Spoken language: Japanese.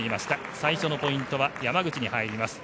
最初のポイントは山口に入ります。